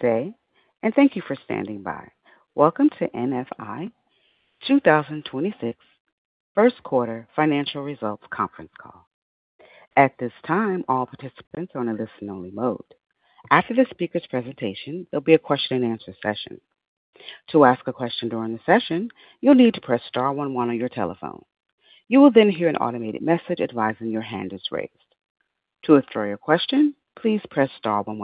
Thank you for standing by. Welcome to NFI 2026 First Quarter Financial Results Conference Call. At this time, all participants are in a listen-only mode. After the speakers' presentation, there will be a question and answer session. To ask a question during the session, you need to press star one one on your telephone. You will then hear an automated message advising your hand is raised. To withdraw your question, please press star one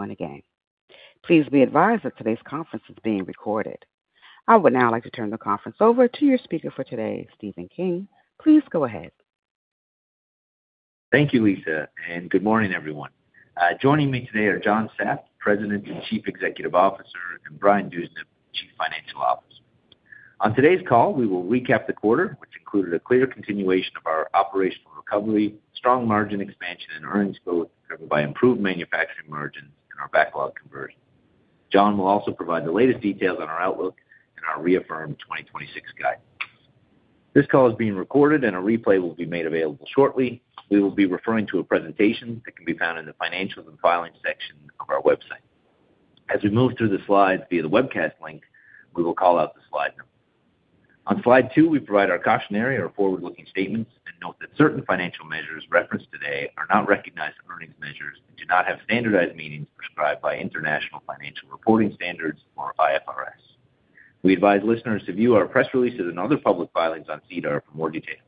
one, again. Please be advised that today's conference is being recorded. I would now like to turn the conference over to your speaker for today, Stephen King. Please go ahead. Thank you, Lisa. Good morning, everyone. Joining me today are John Sapp, President and Chief Executive Officer and Brian Dewsnup, Chief Financial Officer. On today's call, we will recap the quarter, which included a clear continuation of our operational recovery, strong margin expansion and earnings growth driven by improved manufacturing margins and our backlog conversion. John will also provide the latest details on our outlook and our reaffirmed 2026 guidance. This call is being recorded and a replay will be made available shortly. We will be referring to a presentation that can be found in the Financials & Filings section of our website. As we move through the slides via the webcast link, we will call out the slide number. On slide two, we provide our cautionary or forward-looking statements and note that certain financial measures referenced today are not recognized earnings measures and do not have standardized meanings prescribed by International Financial Reporting Standards or IFRS. We advise listeners to view our press releases and other public filings on SEDAR+ for more details.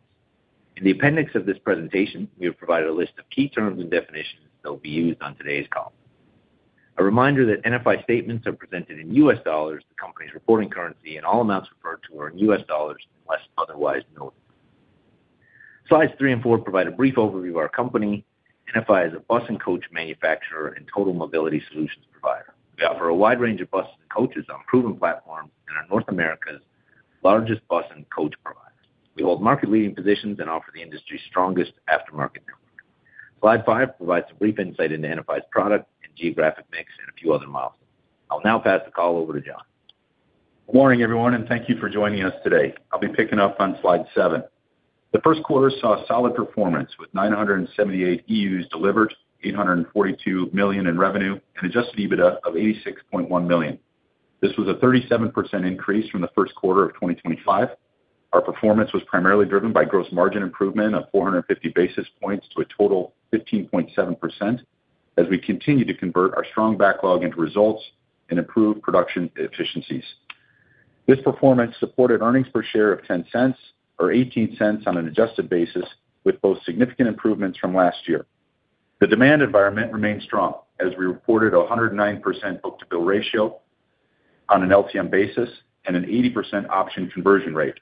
In the appendix of this presentation, we have provided a list of key terms and definitions that will be used on today's call. A reminder that NFI statements are presented in U.S. dollars, the company's reporting currency and all amounts referred to are in U.S. dollars unless otherwise noted. Slides three and four provide a brief overview of our company. NFI is a bus and coach manufacturer and total mobility solutions provider. We offer a wide range of buses and coaches on proven platforms and are North America's largest bus and coach provider. We hold market-leading positions and offer the industry's strongest aftermarket network. Slide five provides a brief insight into NFI's product and geographic mix and a few other milestones. I'll now pass the call over to John. Morning, everyone, and thank you for joining us today. I'll be picking up on slide seven. The first quarter saw a solid performance with 978 EUs delivered, $842 million in revenue, and adjusted EBITDA of $86.1 million. This was a 37% increase from the first quarter of 2025. Our performance was primarily driven by gross margin improvement of 450 basis points to a total 15.7% as we continue to convert our strong backlog into results and improve production efficiencies. This performance supported earnings per share of $0.10 or $0.18 on an adjusted basis, with both significant improvements from last year. The demand environment remains strong as we reported a 109% book-to-bill ratio on an LTM basis and an 80% option conversion rate.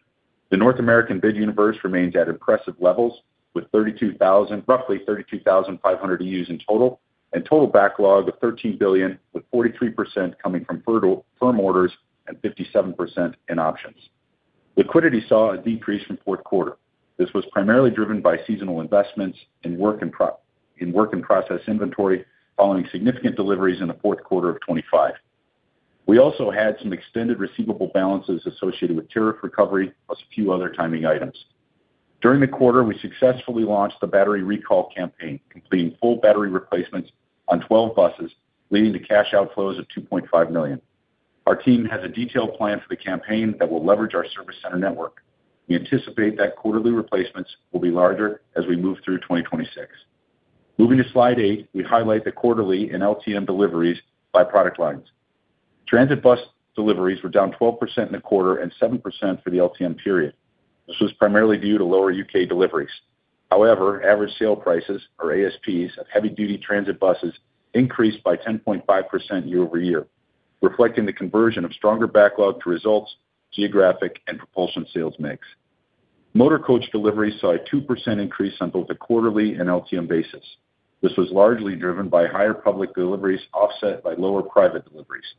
The North American bid universe remains at impressive levels with roughly 32,500 EUs in total and total backlog of $13 billion, with 43% coming from firm orders and 57% in options. Liquidity saw a decrease from fourth quarter. This was primarily driven by seasonal investments in work and process inventory following significant deliveries in the fourth quarter of 2025. We also had some extended receivable balances associated with tariff recovery, plus a few other timing items. During the quarter, we successfully launched the battery recall campaign, completing full battery replacements on 12 buses, leading to cash outflows of $2.5 million. Our team has a detailed plan for the campaign that will leverage our service center network. We anticipate that quarterly replacements will be larger as we move through 2026. Moving to slide eight, we highlight the quarterly and LTM deliveries by product lines. Transit bus deliveries were down 12% in the quarter and 7% for the LTM period. This was primarily due to lower U.K. deliveries. However, average sale prices or ASPs of heavy-duty transit buses increased by 10.5% year-over-year, reflecting the conversion of stronger backlog to results, geographic and propulsion sales mix. Motor coach delivery saw a 2% increase on both a quarterly and LTM basis. This was largely driven by higher public deliveries offset by lower private deliveries.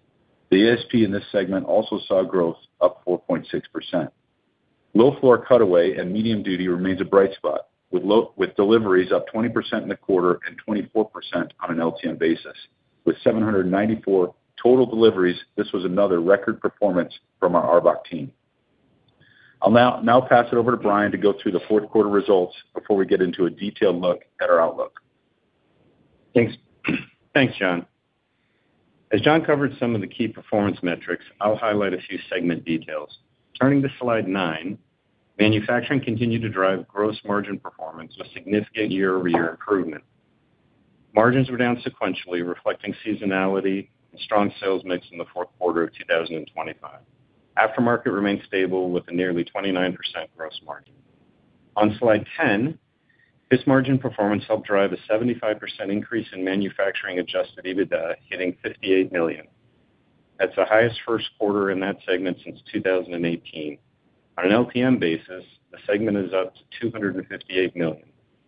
The ASP in this segment also saw growth up 4.6%. Low-floor cutaway and medium-duty remains a bright spot, with deliveries up 20% in the quarter and 24% on an LTM basis. With 794 total deliveries, this was another record performance from our ARBOC team. I'll now pass it over to Brian to go through the fourth quarter results before we get into a detailed look at our outlook. Thanks. Thanks, John. As John covered some of the key performance metrics, I'll highlight a few segment details. Turning to slide nine, manufacturing continued to drive gross margin performance with significant year-over-year improvement. Margins were down sequentially, reflecting seasonality and strong sales mix in the fourth quarter of 2025. Aftermarket remained stable with a nearly 29% gross margin. On slide 10, this margin performance helped drive a 75% increase in manufacturing adjusted EBITDA, hitting $58 million. That's the highest first quarter in that segment since 2018. On an LTM basis, the segment is up to $258 million,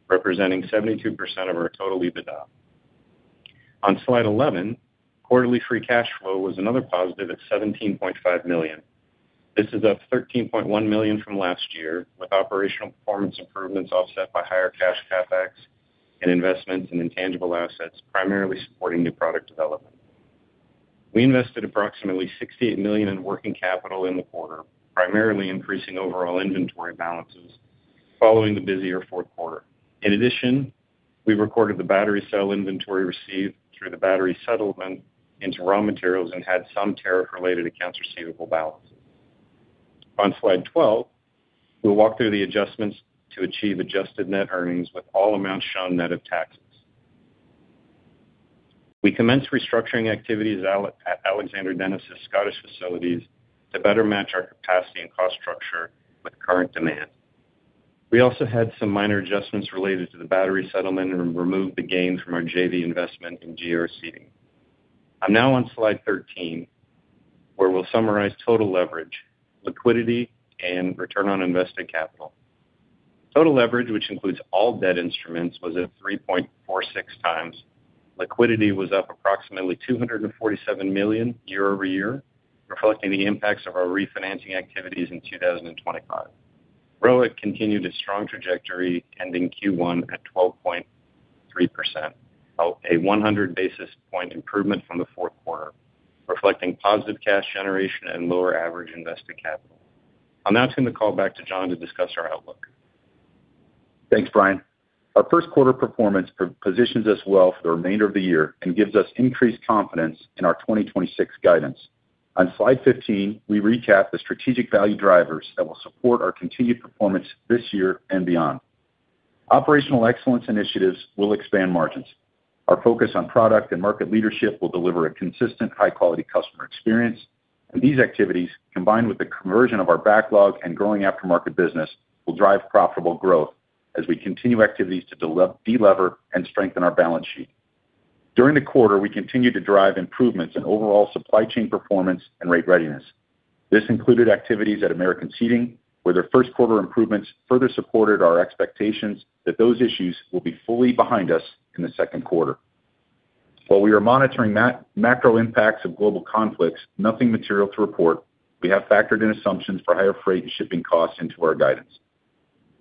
representing 72% of our total EBITDA. On slide 11, quarterly free cash flow was another positive at $17.5 million. This is up $13.1 million from last year, with operational performance improvements offset by higher cash CapEx and investments in intangible assets, primarily supporting new product development. We invested approximately $68 million in working capital in the quarter, primarily increasing overall inventory balances. Following the busier fourth quarter. In addition, we recorded the battery cell inventory received through the battery settlement into raw materials and had some tariff-related accounts receivable balances. On slide 12, we'll walk through the adjustments to achieve adjusted net earnings with all amounts shown net of taxes. We commenced restructuring activities at Alexander Dennis' Scottish facilities to better match our capacity and cost structure with current demand. We also had some minor adjustments related to the battery settlement and removed the gains from our JV investment in GR Seating. I'm now on slide 13, where we'll summarize total leverage, liquidity and return on invested capital. Total leverage, which includes all debt instruments, was at 3.46x. Liquidity was up approximately $247 million year-over-year, reflecting the impacts of our refinancing activities in 2025. ROIC continued its strong trajectory, ending Q1 at 12.3%. 100 basis point improvement from the fourth quarter, reflecting positive cash generation and lower average invested capital. I'll now turn the call back to John to discuss our outlook. Thanks, Brian. Our first quarter performance positions us well for the remainder of the year and gives us increased confidence in our 2026 guidance. On slide 15, we recap the strategic value drivers that will support our continued performance this year and beyond. Operational excellence initiatives will expand margins. Our focus on product and market leadership will deliver a consistent high-quality customer experience and these activities, combined with the conversion of our backlog and growing aftermarket business, will drive profitable growth as we continue activities to delever and strengthen our balance sheet. During the quarter, we continued to drive improvements in overall supply chain performance and rate readiness. This included activities at American Seating, where their first quarter improvements further supported our expectations that those issues will be fully behind us in the second quarter. While we are monitoring macro impacts of global conflicts, nothing material to report, we have factored in assumptions for higher freight and shipping costs into our guidance.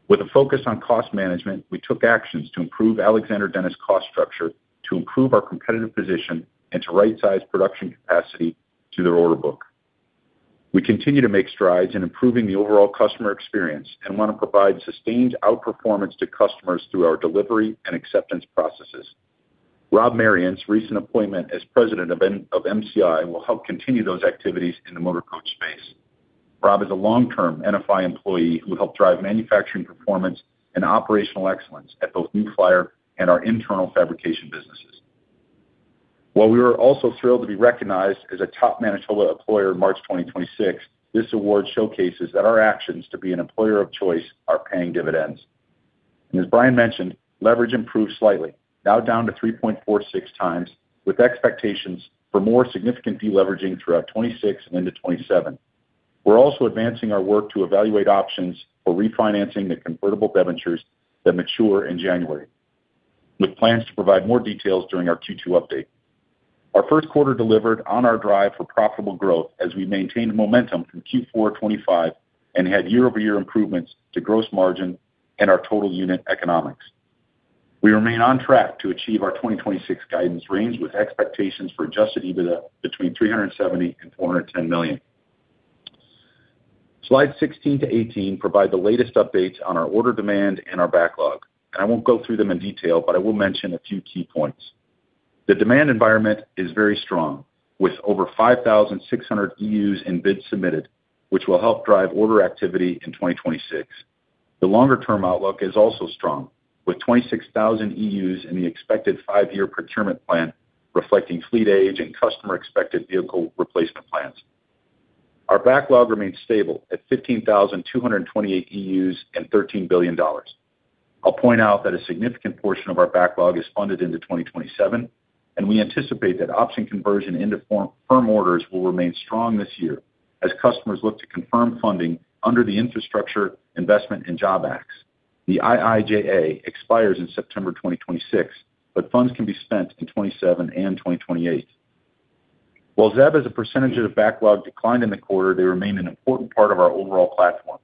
With a focus on cost management, we took actions to improve Alexander Dennis' cost structure to improve our competitive position and to right-size production capacity to their order book. We continue to make strides in improving the overall customer experience and wanna provide sustained outperformance to customers through our delivery and acceptance processes. Rob Marion's recent appointment as President of MCI will help continue those activities in the motor coach space. Rob is a long-term NFI employee who helped drive manufacturing performance and operational excellence at both New Flyer and our internal fabrication businesses. While we were also thrilled to be recognized as a top Manitoba employer in March 2026, this award showcases that our actions to be an employer of choice are paying dividends. As Brian mentioned, leverage improved slightly, now down to 3.46x, with expectations for more significant deleveraging throughout 2026 and into 2027. We're also advancing our work to evaluate options for refinancing the convertible debentures that mature in January, with plans to provide more details during our Q2 update. Our first quarter delivered on our drive for profitable growth as we maintained momentum from Q4 2025 and had year-over-year improvements to gross margin and our total unit economics. We remain on track to achieve our 2026 guidance range, with expectations for adjusted EBITDA between $370 million and $410 million. Slide 16 to 18 provide the latest updates on our order demand and our backlog. I won't go through them in detail, but I will mention a few key points. The demand environment is very strong, with over 5,600 EUs and bids submitted, which will help drive order activity in 2026. The longer-term outlook is also strong, with 26,000 EUs in the expected five-year procurement plan reflecting fleet age and customer-expected vehicle replacement plans. Our backlog remains stable at 15,228 EUs and $13 billion. I'll point out that a significant portion of our backlog is funded into 2027, and we anticipate that option conversion into firm orders will remain strong this year as customers look to confirm funding under the Infrastructure Investment and Jobs Act. The IIJA expires in September 2026, but funds can be spent in 2027 and 2028. While ZEB as a percentage of the backlog declined in the quarter, they remain an important part of our overall platform.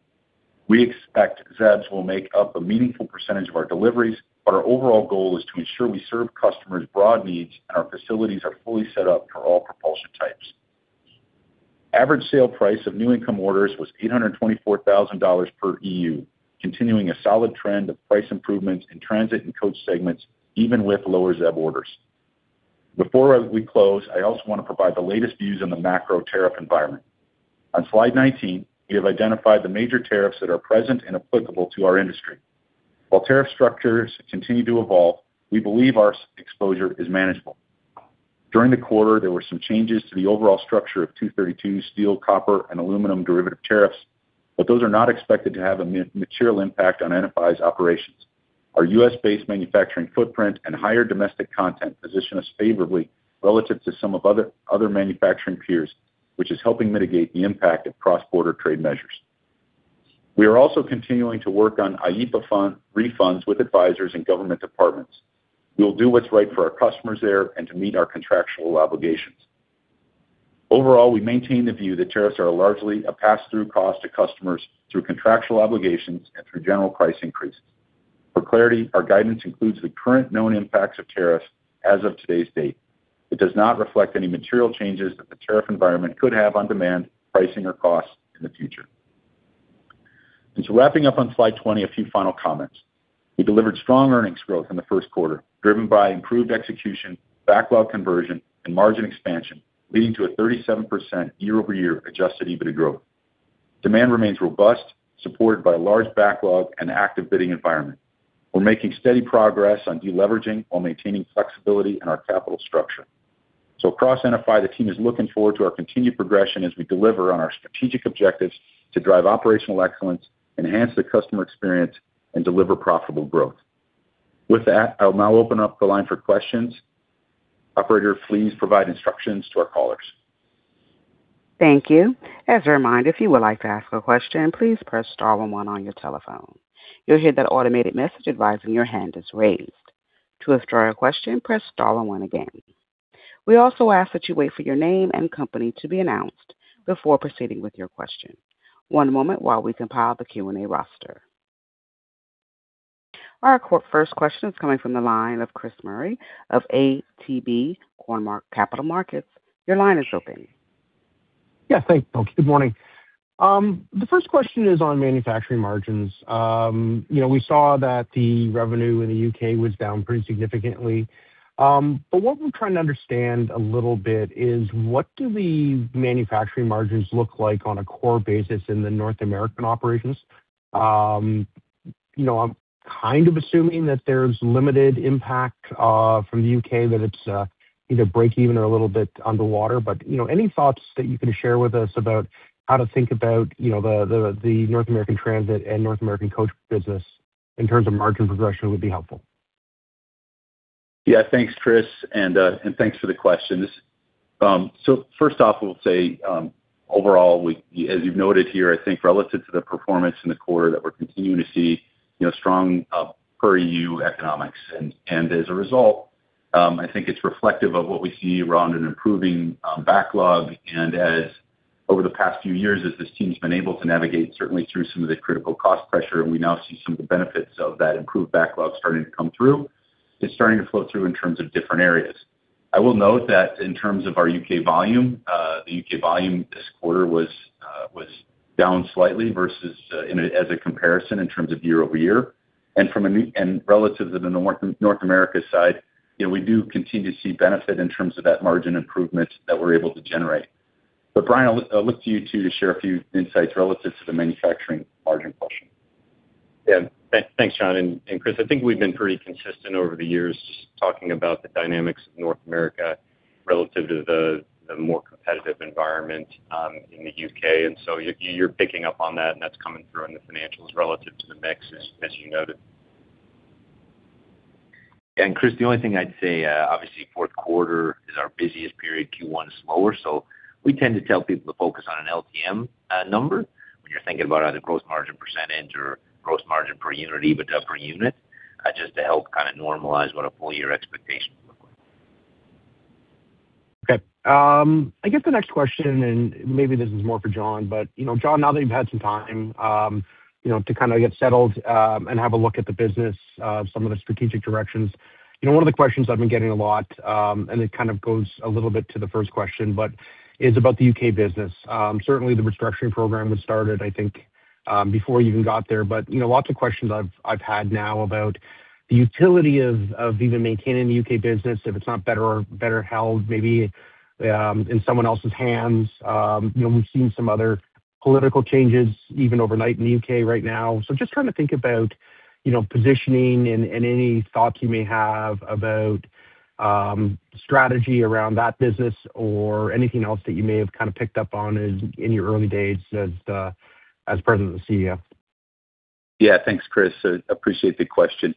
We expect ZEBs will make up a meaningful percentage of our deliveries, but our overall goal is to ensure we serve customers' broad needs and our facilities are fully set up for all propulsion types. Average sale price of new income orders was $824,000 per EU, continuing a solid trend of price improvements in transit and coach segments, even with lower ZEB orders. Before we close, I also want to provide the latest views on the macro tariff environment. On slide 19, we have identified the major tariffs that are present and applicable to our industry. While tariff structures continue to evolve, we believe our exposure is manageable. During the quarter, there were some changes to the overall structure of 232 steel, copper, and aluminum derivative tariffs, those are not expected to have a material impact on NFI's operations. Our U.S. based manufacturing footprint and higher domestic content position us favorably relative to some of other manufacturing peers, which is helping mitigate the impact of cross-border trade measures. We are also continuing to work on IEPA fund refunds with advisors and government departments. We will do what's right for our customers there and to meet our contractual obligations. Overall, we maintain the view that tariffs are largely a pass-through cost to customers through contractual obligations and through general price increases. For clarity, our guidance includes the current known impacts of tariffs as of today's date. It does not reflect any material changes that the tariff environment could have on demand, pricing or costs in the future. Wrapping up on slide 20, a few final comments. We delivered strong earnings growth in the first quarter, driven by improved execution, backlog conversion and margin expansion, leading to a 37% year-over-year adjusted EBITDA growth. Demand remains robust, supported by a large backlog and active bidding environment. We're making steady progress on de-leveraging while maintaining flexibility in our capital structure. Across NFI, the team is looking forward to our continued progression as we deliver on our strategic objectives to drive operational excellence, enhance the customer experience and deliver profitable growth. With that, I'll now open up the line for questions. Operator, please provide instructions to our callers. Thank you. As a reminder, if you would like to ask a question, please press star one one on your telephone. You'll hear that automated message advising your hand is raised. To withdraw your question, press star one one again. We also ask that you wait for your name and company to be announced before proceeding with your question. One moment while we compile the Q&A roster. Our first question is coming from the line of Chris Murray of ATB Capital Markets. Your line is open. Yeah, thanks, folks. Good morning. The first question is on manufacturing margins. You know, we saw that the revenue in the U.K. was down pretty significantly. What we're trying to understand a little bit is what do the manufacturing margins look like on a core basis in the North American operations? You know, I'm kind of assuming that there's limited impact from the U.K., that it's either breakeven or a little bit underwater. You know, any thoughts that you can share with us about how to think about, you know, the North American transit and North American coach business in terms of margin progression would be helpful. Thanks, Chris, and thanks for the questions. First off, we'll say, overall, as you've noted here, I think relative to the performance in the quarter, that we're continuing to see, you know, strong, per EU economics. As a result, I think it's reflective of what we see around an improving backlog. As over the past few years, as this team's been able to navigate, certainly through some of the critical cost pressure, and we now see some of the benefits of that improved backlog starting to come through. It's starting to flow through in terms of different areas. I will note that in terms of our U.K. volume, the U.K. volume this quarter was down slightly versus as a comparison in terms of year-over-year. Relative to the North America side, you know, we do continue to see benefit in terms of that margin improvement that we're able to generate. Brian, I'll look to you too to share a few insights relative to the manufacturing margin question. Yeah. Thanks, John. Chris, I think we've been pretty consistent over the years talking about the dynamics of North America relative to the more competitive environment in the U.K. You're picking up on that, and that's coming through in the financials relative to the mix, as you noted. Chris, the only thing I'd say, obviously fourth quarter is our busiest period. Q1 is slower, we tend to tell people to focus on an LTM number when you're thinking about either gross margin percentage or gross margin per unit or EBITDA per unit, just to help kinda normalize what a full year expectation would look like. Okay. I guess the next question, and maybe this is more for John, you know, John, now that you've had some time, you know, to kind of get settled and have a look at the business, some of the strategic directions. You know, one of the questions I've been getting a lot, and it kind of goes a little bit to the first question, is about the U.K. business. Certainly the restructuring program was started, I think, before you even got there. You know, lots of questions I've had now about the utility of even maintaining the U.K. business if it's not better or better held maybe in someone else's hands. You know, we've seen some other political changes even overnight in the U.K. right now. Just trying to think about, you know, positioning and any thoughts you may have about strategy around that business or anything else that you may have kind of picked up on as in your early days as President and CEO. Yeah. Thanks, Chris. I appreciate the question.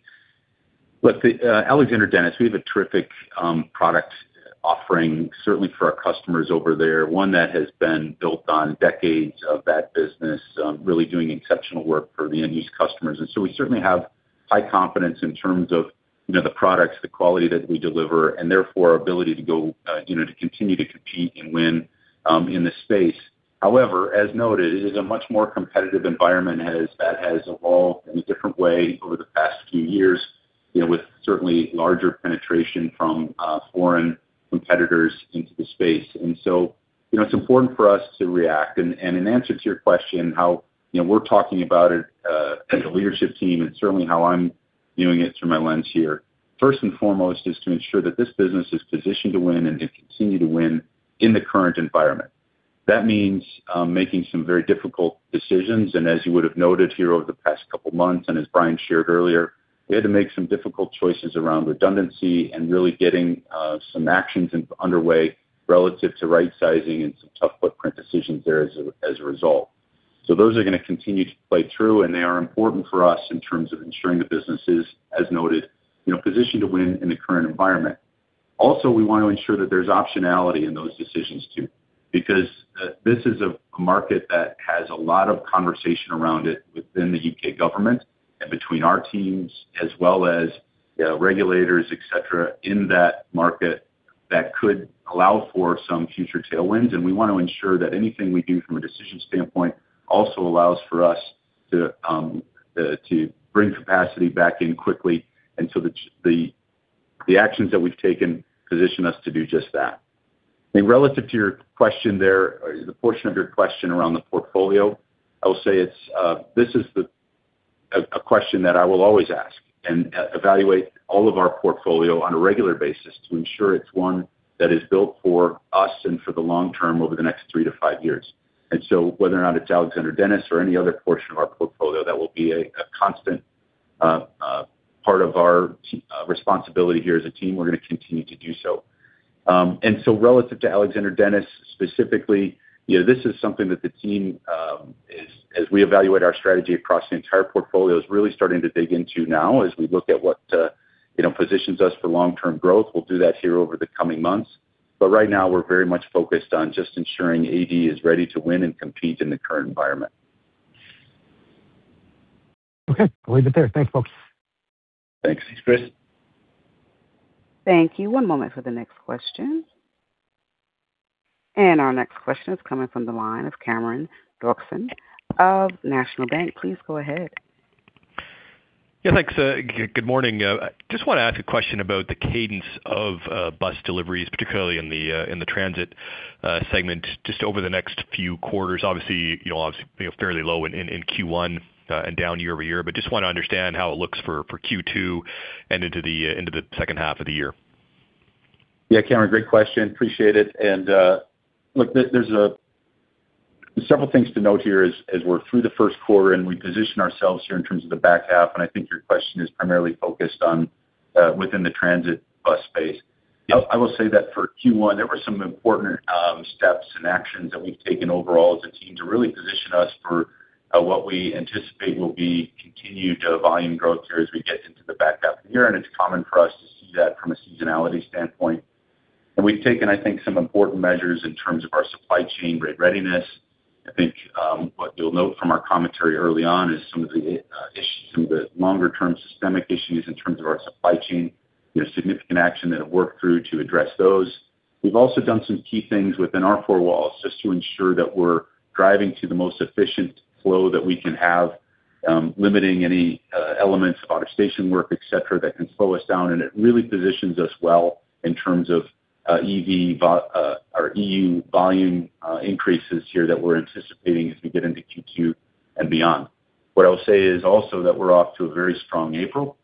Look, Alexander Dennis, we have a terrific product offering, certainly for our customers over there, one that has been built on decades of that business, really doing exceptional work for the end use customers. We certainly have high confidence in terms of, you know, the products, the quality that we deliver, and therefore our ability to go, you know, to continue to compete and win in this space. However, as noted, it is a much more competitive environment that has evolved in a different way over the past few years, you know, with certainly larger penetration from foreign competitors into the space. It's important for us to react. An answer to your question, how, you know, we're talking about it as a leadership team and certainly how I'm viewing it through my lens here. First and foremost is to ensure that this business is positioned to win and continue to win in the current environment. That means making some very difficult decisions. As you would have noted here over the past couple of months, and as Brian shared earlier, we had to make some difficult choices around redundancy and really getting some actions underway relative to right-sizing and some tough footprint decisions there as a result. Those are gonna continue to play through, and they are important for us in terms of ensuring the business is, as noted, you know, positioned to win in the current environment. Also, we want to ensure that there's optionality in those decisions too, because this is a market that has a lot of conversation around it within the U.K. government and between our teams as well as, you know, regulators, et cetera, in that market. That could allow for some future tailwinds, and we want to ensure that anything we do from a decision standpoint also allows for us to bring capacity back in quickly. The actions that we've taken position us to do just that. Relative to your question there, the portion of your question around the portfolio, I will say it's, this is a question that I will always ask and evaluate all of our portfolio on a regular basis to ensure it's one that is built for us and for the long term over the next three to five years. Whether or not it's Alexander Dennis or any other portion of our portfolio, that will be a constant part of our responsibility here as a team. We're gonna continue to do so. Relative to Alexander Dennis specifically, you know, this is something that the team is, as we evaluate our strategy across the entire portfolio, is really starting to dig into now as we look at what, you know, positions us for long-term growth. We'll do that here over the coming months. Right now, we're very much focused on just ensuring AD is ready to win and compete in the current environment. Okay, we'll leave it there. Thanks, folks. Thanks, Chris. Thank you. One moment for the next question. Our next question is coming from the line of Cameron Doerksen of National Bank. Please go ahead. Yeah, thanks. Good morning. Just wanna ask a question about the cadence of bus deliveries, particularly in the transit segment just over the next few quarters. Obviously, you know, obviously, you know, fairly low in Q1, and down year-over-year, but just wanna understand how it looks for Q2 and into the second half of the year. Yeah, Cameron, great question. Appreciate it. Look, there are several things to note here as we're through the first quarter, we position ourselves here in terms of the back half. I think your question is primarily focused on within the transit bus space. Yep. I will say that for Q1, there were some important steps and actions that we've taken overall as a team to really position us for what we anticipate will be continued volume growth here as we get into the back half of the year, and it's common for us to see that from a seasonality standpoint. We've taken, I think, some important measures in terms of our supply chain great readiness. I think, what you'll note from our commentary early on is some of the issues, some of the longer-term systemic issues in terms of our supply chain, you know, significant action that it worked through to address those. We've also done some key things within our four walls just to ensure that we're driving to the most efficient flow that we can have, limiting any elements, out of station work, et cetera, that can slow us down. It really positions us well in terms of EU volume increases here that we're anticipating as we get into Q2 and beyond. What I'll say is also that we're off to a very strong April,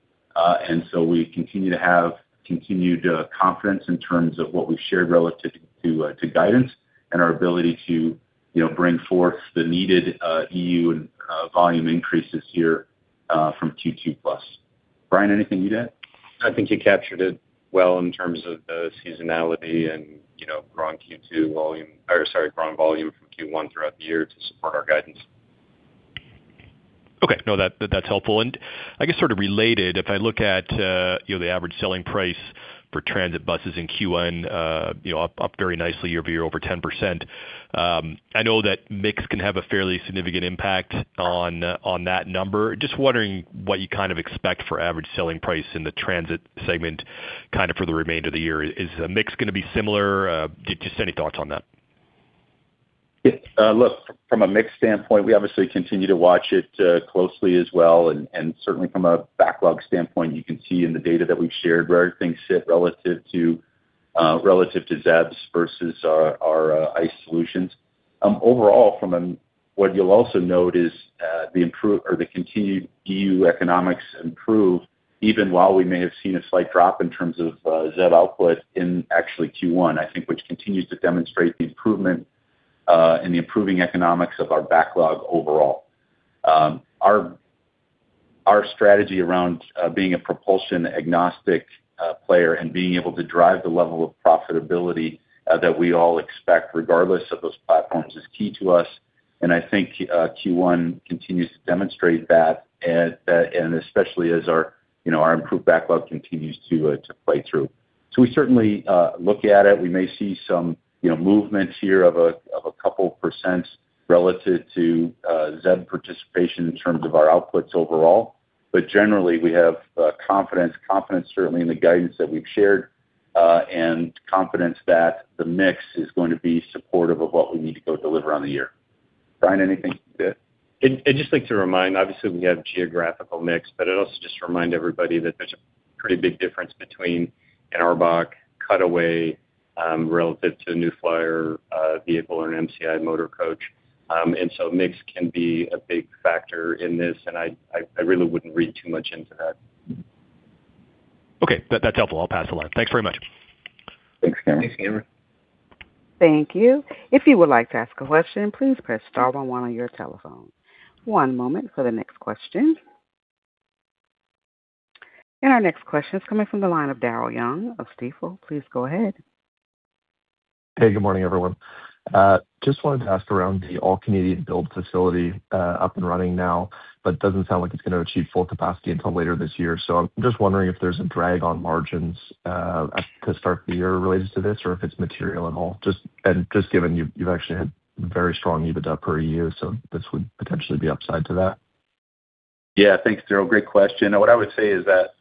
we continue to have continued confidence in terms of what we've shared relative to guidance and our ability to, you know, bring forth the needed EU and volume increases here from Q2 plus. Brian, anything you'd add? I think you captured it well in terms of the seasonality and, you know, growing Q2 volume, or sorry, growing volume from Q1 throughout the year to support our guidance. Okay. No, that's helpful. I guess sort of related, if I look at, you know, the average selling price for transit buses in Q1, you know, up very nicely year-over-year, over 10%, I know that mix can have a fairly significant impact on that number. Just wondering what you kind of expect for average selling price in the transit segment kinda for the remainder of the year. Is the mix gonna be similar? Just any thoughts on that? Look, from a mix standpoint, we obviously continue to watch it closely as well. Certainly from a backlog standpoint, you can see in the data that we've shared where things sit relative to relative to ZEBs versus our ICE solutions. Overall, what you'll also note is the continued EU economics improve even while we may have seen a slight drop in terms of ZEB output in actually Q1, I think, which continues to demonstrate the improvement and the improving economics of our backlog overall. Our, our strategy around being a propulsion-agnostic player and being able to drive the level of profitability that we all expect regardless of those platforms is key to us, and I think Q1 continues to demonstrate that, and especially as our, you know, our improved backlog continues to play through. We certainly look at it. We may see some, you know, movements here of a couple percents relative to ZEB participation in terms of our outputs overall. Generally, we have confidence certainly in the guidance that we've shared, and confidence that the mix is going to be supportive of what we need to go deliver on the year. Brian, anything to add? I'd just like to remind, obviously, we have geographical mix, but I'd also just remind everybody that there's a pretty big difference between an ARBOC cutaway, relative to a New Flyer vehicle or an MCI motor coach. So mix can be a big factor in this, and I really wouldn't read too much into that. Okay. That's helpful. I'll pass along. Thanks very much. Thanks, Cameron. Thanks, Cameron. Thank you. If you would like to ask a question, please press star one one on your telephone. One moment for the next question. Our next question is coming from the line of Daryl Young of Stifel. Please go ahead. Good morning, everyone. Just wanted to ask around the All-Canadian Build facility, up and running now, but doesn't sound like it's gonna achieve full capacity until later this year. I'm just wondering if there's a drag on margins at the start of the year related to this or if it's material at all. Just given you've actually had very strong EBITDA per year, this would potentially be upside to that. Yeah. Thanks, Daryl. Great question. What I would say is that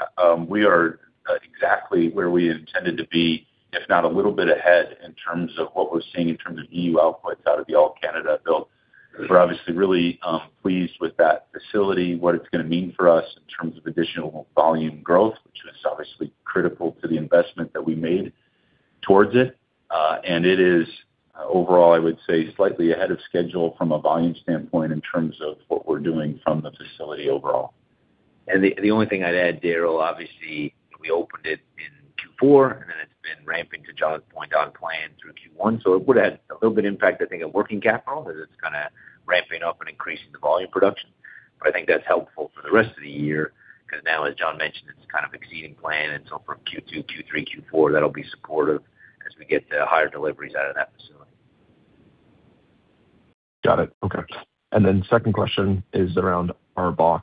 we are exactly where we intended to be, if not a little bit ahead in terms of what we're seeing in terms of EU outputs out of the All-Canadian Build. We're obviously really pleased with that facility, what it's gonna mean for us in terms of additional volume growth, which is obviously critical to the investment that we made towards it. It is overall, I would say, slightly ahead of schedule from a volume standpoint in terms of what we're doing from the facility overall. The only thing I'd add, Daryl, obviously, we opened it in Q4, it's been ramping to John's point on plan through Q1. It would add a little bit impact, I think, on working capital as it's kinda ramping up and increasing the volume production. I think that's helpful for the rest of the year 'cause now as John mentioned, it's kind of exceeding plan. From Q2, Q3, Q4, that'll be supportive as we get the higher deliveries out of that facility. Got it. Okay. Second question is around ARBOC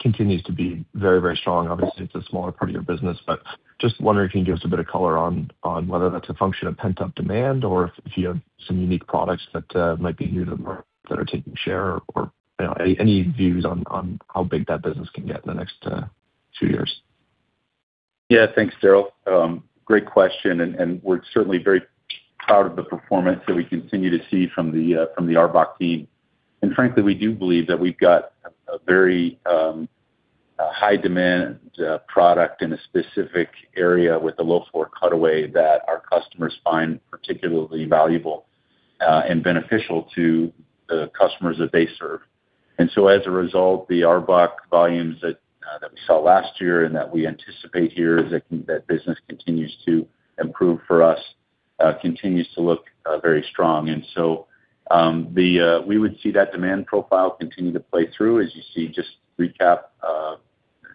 continues to be very, very strong. Obviously, it's a smaller part of your business, but just wondering if you can give us a bit of color on whether that's a function of pent-up demand or if you have some unique products that might be new to the market that are taking share or, you know, any views on how big that business can get in the next two years. Thanks, Daryl. Great question, and we're certainly very proud of the performance that we continue to see from the ARBOC team. Frankly, we do believe that we've got a very high demand product in a specific area with a low-floor cutaway that our customers find particularly valuable and beneficial to the customers that they serve. As a result, the ARBOC volumes that we saw last year and that we anticipate here as that business continues to improve for us, continues to look very strong. We would see that demand profile continue to play through as you see just recap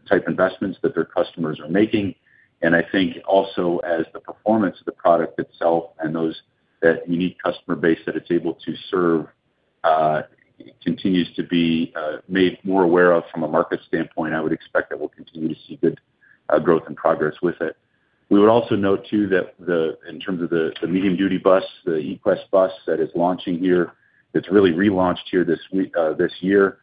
type investments that their customers are making. I think also as the performance of the product itself and that unique customer base that it's able to serve continues to be made more aware of from a market standpoint, I would expect that we'll continue to see good growth and progress with it. We would also note too that, in terms of the medium-duty bus, the Equess bus that is launching here, it's really relaunched here this week, this year.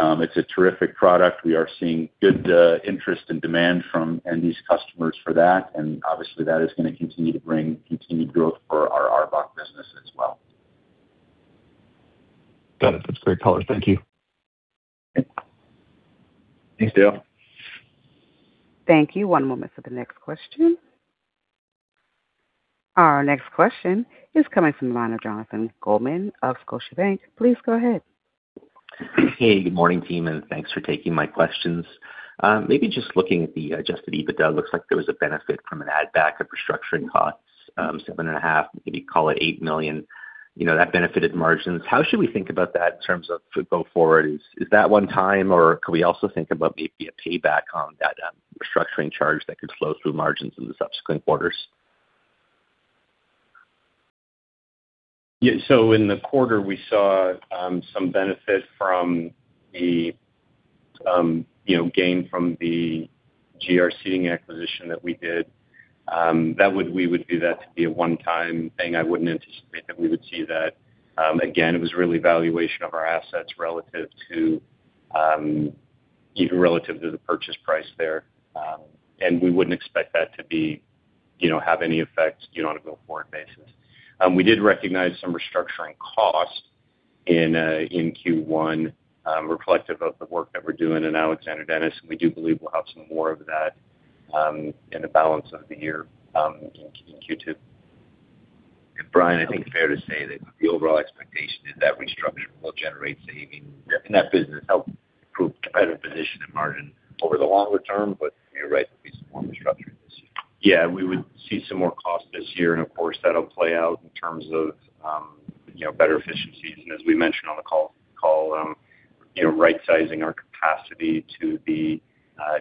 It's a terrific product. We are seeing good interest and demand from NFI's customers for that, and obviously that is gonna continue to bring continued growth for our ARBOC business as well. Got it. That's great color. Thank you. Thanks, Daryl. Thank you. One moment for the next question. Our next question is coming from the line of Jonathan Goldman of Scotiabank. Please go ahead. Hey, good morning, team, and thanks for taking my questions. Maybe just looking at the adjusted EBITDA, looks like there was a benefit from an add-back of restructuring costs, $7.5 million, maybe call it $8 million, you know, that benefited margins. How should we think about that in terms of go forward? Is that one-time, or could we also think about maybe a payback on that restructuring charge that could flow through margins in the subsequent quarters? Yeah. In the quarter, we saw, you know, some benefit from the gain from the GR Seating acquisition that we did. We would view that to be a one-time thing. I wouldn't anticipate that we would see that again. It was really valuation of our assets relative to even relative to the purchase price there. We wouldn't expect that to be, you know, have any effect, you know, on a go-forward basis. We did recognize some restructuring costs in Q1 reflective of the work that we're doing in Alexander Dennis, and we do believe we'll have some more of that in the balance of the year in Q2. Brian, I think it's fair to say that the overall expectation is that restructuring will generate savings in that business, help improve competitive position and margin over the longer term. You're right, there'll be some more restructuring this year. Yeah, we would see some more costs this year, of course, that'll play out in terms of, you know, better efficiencies. As we mentioned on the call, you know, rightsizing our capacity to the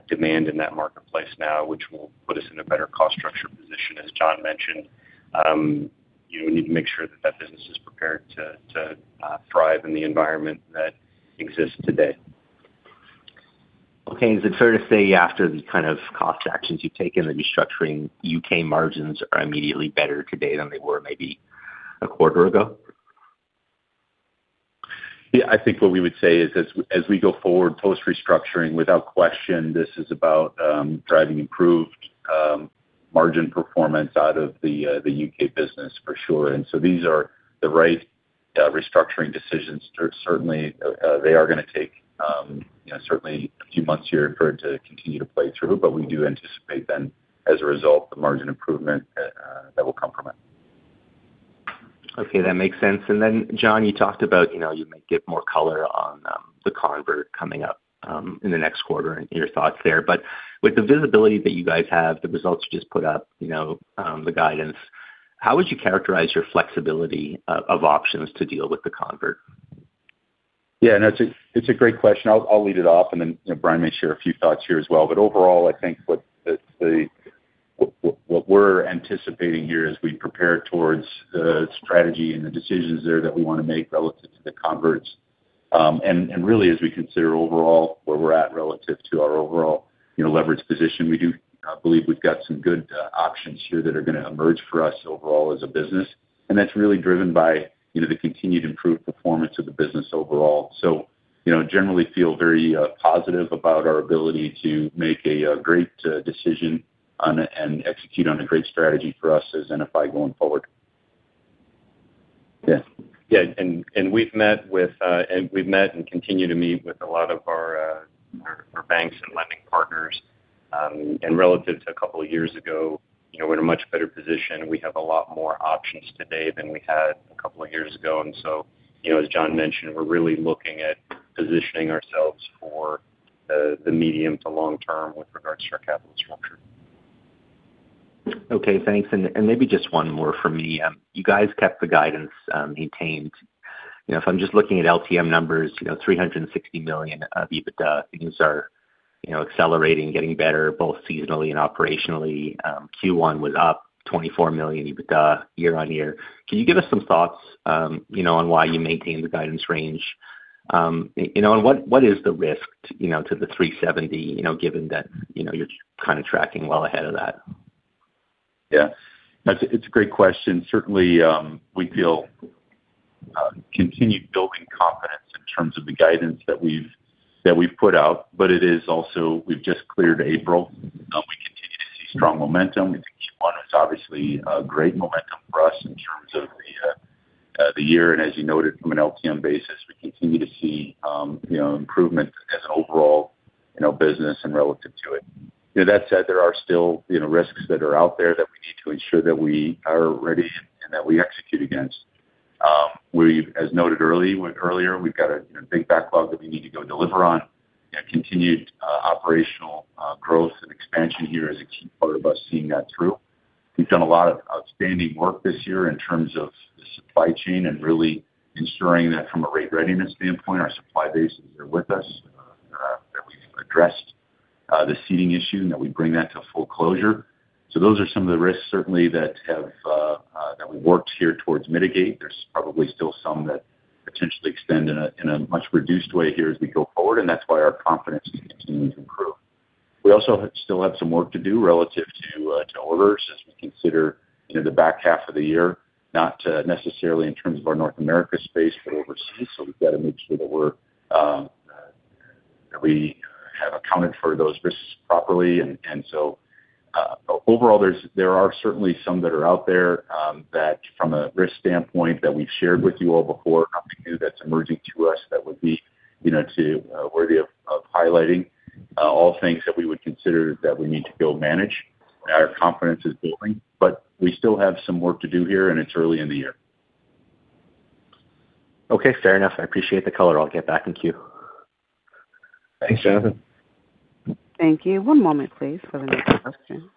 demand in that marketplace now, which will put us in a better cost structure position, as John mentioned. You know, we need to make sure that that business is prepared to thrive in the environment that exists today. Okay. Is it fair to say after the kind of cost actions you've taken, the restructuring U.K. margins are immediately better today than they were maybe a quarter ago? Yeah. I think what we would say is as we go forward post-restructuring, without question, this is about driving improved margin performance out of the U.K. business for sure. These are the right restructuring decisions. Certainly, they are gonna take, you know, certainly a few months here for it to continue to play through, but we do anticipate then, as a result, the margin improvement that will come from it. Okay. That makes sense. John, you talked about, you know, you might give more color on the convert coming up in the next quarter and your thoughts there. With the visibility that you guys have, the results you just put up, you know, the guidance, how would you characterize your flexibility of options to deal with the convert? Yeah. No, it's a great question. I'll lead it off and then, you know, Brian may share a few thoughts here as well. Overall, I think what we're anticipating here as we prepare towards the strategy and the decisions there that we wanna make relative to the converts, and really as we consider overall where we're at relative to our overall, you know, leverage position, we do believe we've got some good options here that are gonna emerge for us overall as a business. That's really driven by, you know, the continued improved performance of the business overall. You know, generally feel very positive about our ability to make a great decision and execute on a great strategy for us as NFI going forward. We've met and continue to meet with a lot of our banks and lending partners. Relative to a couple of years ago, you know, we're in a much better position. We have a lot more options today than we had a couple of years ago. You know, as John mentioned, we're really looking at positioning ourselves for the medium to long term with regards to our capital structure. Okay, thanks. Maybe just one more for me. You guys kept the guidance maintained. You know, if I'm just looking at LTM numbers, you know, $360 million of EBITDA, things are, you know, accelerating, getting better, both seasonally and operationally. Q1 was up $24 million EBITDA year-over-year. Can you give us some thoughts, you know, on why you maintain the guidance range? You know, what is the risk, you know, to the $370 million, you know, given that, you know, you're kind of tracking well ahead of that? Yeah. It's a great question. Certainly, we feel continued building confidence in terms of the guidance that we've put out. It is also we've just cleared April. We continue to see strong momentum. I think Q1 was obviously a great momentum for us in terms of the year. As you noted from an LTM basis, we continue to see, you know, improvement as an overall, you know, business and relative to it. You know, that said, there are still, you know, risks that are out there that we need to ensure that we are ready and that we execute against. As noted earlier, we've got a, you know, big backlog that we need to go deliver on. Continued operational growth and expansion here is a key part of us seeing that through. We've done a lot of outstanding work this year in terms of the supply chain and really ensuring that from a rate readiness standpoint, our supply base is there with us, that we've addressed the seating issue and that we bring that to full closure. Those are some of the risks certainly that have that we worked here towards mitigate. There's probably still some that potentially extend in a much reduced way here as we go forward, and that's why our confidence continues to improve. We also still have some work to do relative to orders as we consider, you know, the back half of the year, not necessarily in terms of our North America space, but overseas. We've got to make sure that we're that we have accounted for those risks properly. Overall, there are certainly some that are out there, that from a risk standpoint that we've shared with you all before, nothing new that's emerging to us that would be, you know, worthy of highlighting, all things that we would consider that we need to go manage. Our confidence is building, but we still have some work to do here, and it's early in the year. Okay, fair enough. I appreciate the color. I'll get back in queue. Thanks, Jonathan. Thank you. One moment, please, for the next question.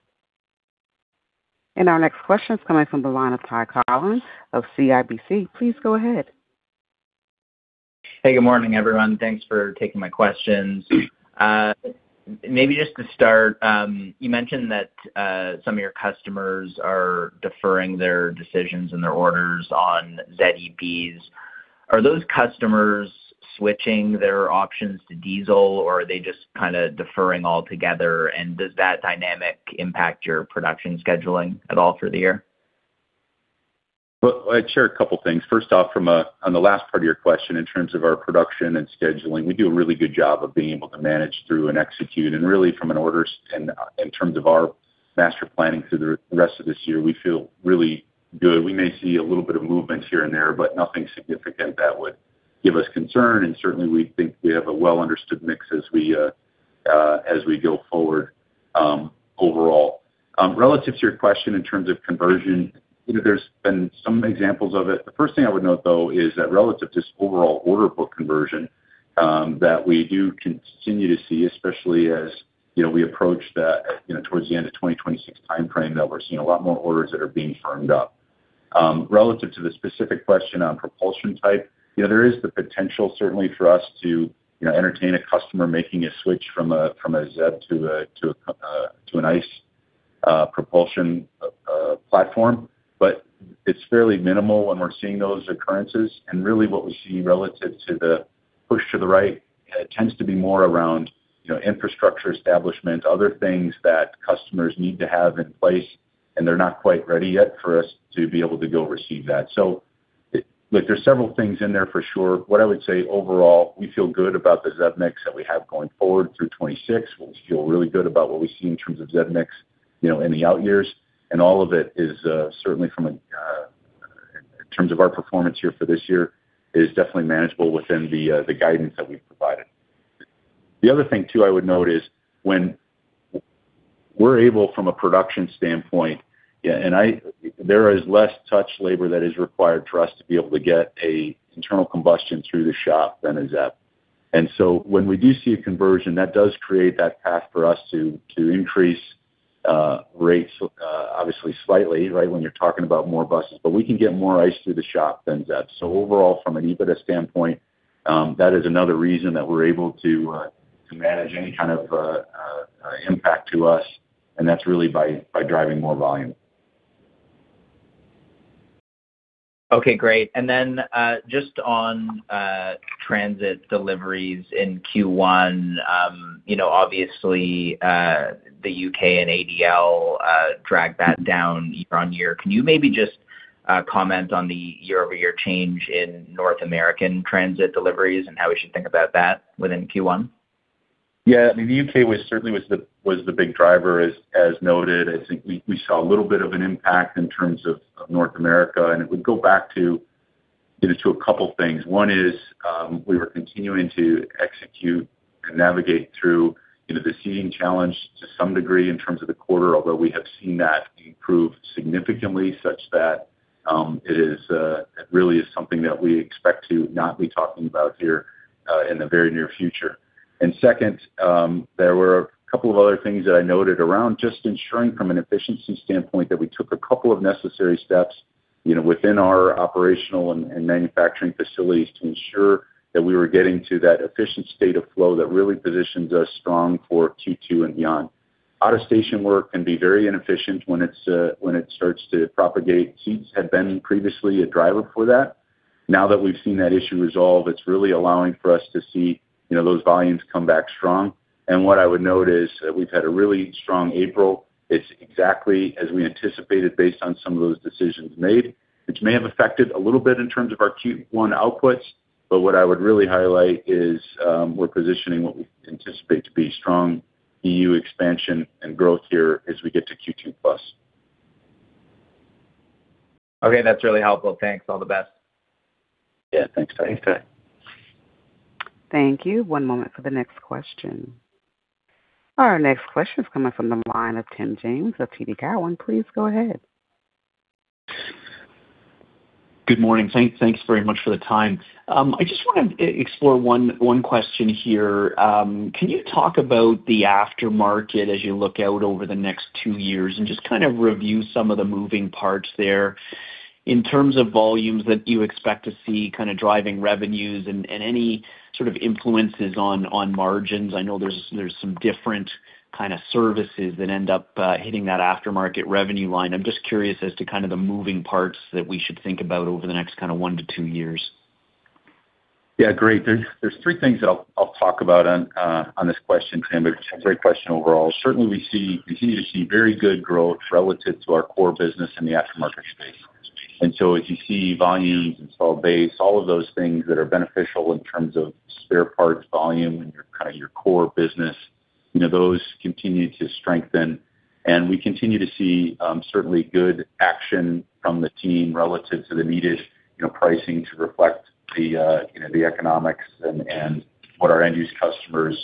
Our next question is coming from the line of Ty Collin of CIBC. Please go ahead. Hey, good morning, everyone. Thanks for taking my questions. Maybe just to start, you mentioned that some of your customers are deferring their decisions and their orders on ZEBs. Are those customers switching their options to diesel, or are they just kinda deferring altogether? Does that dynamic impact your production scheduling at all through the year? Well, I'd share a couple of things. First off, on the last part of your question, in terms of our production and scheduling, we do a really good job of being able to manage through and execute. Really in terms of our master planning through the rest of this year, we feel really good. We may see a little bit of movement here and there, but nothing significant that would give us concern. Certainly, we think we have a well-understood mix as we as we go forward overall. Relative to your question in terms of conversion, you know, there's been some examples of it. The first thing I would note, though, is that relative to overall order book conversion, that we do continue to see, especially as, you know, we approach the, you know, towards the end of 2026 timeframe, that we're seeing a lot more orders that are being firmed up. Relative to the specific question on propulsion type, you know, there is the potential certainly for us to, you know, entertain a customer making a switch from a ZEB to an ICE propulsion platform. It's fairly minimal when we're seeing those occurrences. Really what we see relative to the push to the right tends to be more around, you know, infrastructure establishment, other things that customers need to have in place, and they're not quite ready yet for us to be able to go receive that. Look, there's several things in there for sure. What I would say overall, we feel good about the ZEB mix that we have going forward through 2026. We feel really good about what we see in terms of ZEB mix, you know, in the out years. All of it is certainly from a in terms of our performance here for this year, is definitely manageable within the guidance that we've provided. The other thing too I would note is when we're able from a production standpoint, there is less touch labor that is required for us to be able to get a internal combustion through the shop than a ZEB. When we do see a conversion, that does create that path for us to increase rates, obviously slightly, right? When you're talking about more buses, but we can get more ICE through the shop than ZEB. Overall, from an EBITDA standpoint, that is another reason that we're able to manage any kind of impact to us, and that's really by driving more volume. Okay, great. Then, just on transit deliveries in Q1, you know, obviously, the U.K. and ADL drag that down year-over-year. Can you maybe just comment on the year-over-year change in North American transit deliveries and how we should think about that within Q1? Yeah. I mean, the U.K. was certainly the big driver as noted. I think we saw a little bit of an impact in terms of North America, it would go back to, you know, to a couple things. One is, we were continuing to execute and navigate through, you know, the seating challenge to some degree in terms of the quarter. Although we have seen that improve significantly such that, it really is something that we expect to not be talking about here in the very near future. Second, there were a couple of other things that I noted around just ensuring from an efficiency standpoint that we took a couple of necessary steps, you know, within our operational and manufacturing facilities to ensure that we were getting to that efficient state of flow that really positions us strong for Q2 and beyond. Out of station work can be very inefficient when it starts to propagate. Seats had been previously a driver for that. Now that we've seen that issue resolved, it's really allowing for us to see, you know, those volumes come back strong. What I would note is that we've had a really strong April. It's exactly as we anticipated based on some of those decisions made, which may have affected a little bit in terms of our Q1 outputs, but what I would really highlight is, we're positioning what we anticipate to be strong EU expansion and growth here as we get to Q2 plus. Okay, that's really helpful. Thanks. All the best. Yeah, thanks, Ty. Thanks, Ty. Thank you. One moment for the next question. Our next question is coming from the line of Tim James of TD Cowen. Please go ahead. Good morning. Thanks very much for the time. I just wanna explore one question here. Can you talk about the aftermarket as you look out over the next two years and just kind of review some of the moving parts there in terms of volumes that you expect to see kinda driving revenues and any sort of influences on margins? I know there's some different kinda services that end up hitting that aftermarket revenue line. I'm just curious as to kind of the moving parts that we should think about over the next kinda one to two years. Yeah, great. There's three things that I'll talk about on this question, Tim. It's a great question overall. Certainly, we continue to see very good growth relative to our core business in the aftermarket space. As you see volumes, install base, all of those things that are beneficial in terms of spare parts volume and your kind of your core business, you know, those continue to strengthen. We continue to see, certainly good action from the team relative to the needed, you know, pricing to reflect the, you know, the economics and what our end use customers,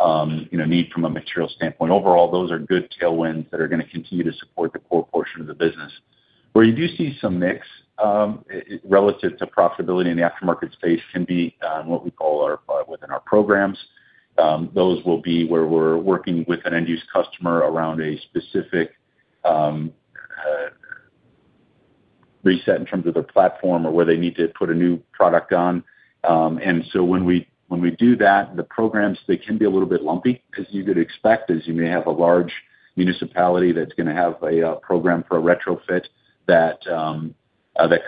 you know, need from a material standpoint. Overall, those are good tailwinds that are going to continue to support the core portion of the business. Where you do see some mix relative to profitability in the aftermarket space can be what we call our within our programs. Those will be where we're working with an end use customer around a specific reset in terms of their platform or where they need to put a new product on. When we do that, the programs, they can be a little bit lumpy 'cause you could expect as you may have a large municipality that's gonna have a program for a retrofit that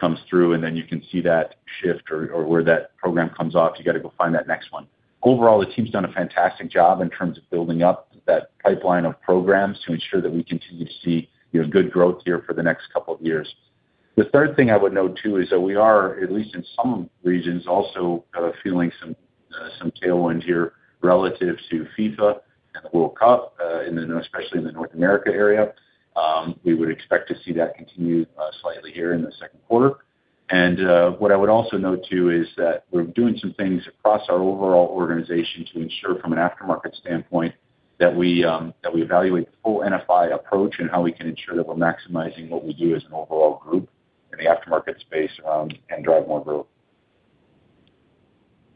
comes through, and then you can see that shift or where that program comes off. You gotta go find that next one. Overall, the team's done a fantastic job in terms of building up that pipeline of programs to ensure that we continue to see, you know, good growth here for the next couple of years. The third thing I would note too is that we are, at least in some regions, also, feeling some tailwind here relative to FIFA and the World Cup, and then especially in the North America area. We would expect to see that continue slightly here in the second quarter. What I would also note too is that we're doing some things across our overall organization to ensure from an aftermarket standpoint that we evaluate the full NFI approach and how we can ensure that we're maximizing what we do as an overall group in the aftermarket space, and drive more growth.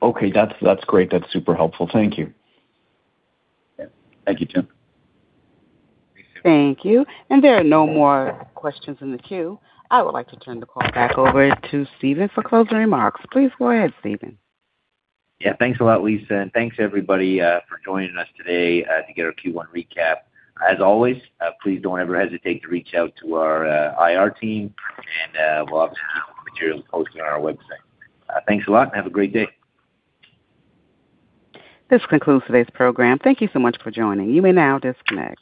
Okay. That's great. That's super helpful. Thank you. Yeah. Thank you, Tim. Thank you. There are no more questions in the queue. I would like to turn the call back over to Stephen for closing remarks. Please go ahead, Stephen. Yeah. Thanks a lot, Lisa. Thanks everybody for joining us today to get our Q1 recap. As always, please don't ever hesitate to reach out to our IR team. We'll obviously have materials posted on our website. Thanks a lot. Have a great day. This concludes today's program. Thank you so much for joining. You may now disconnect.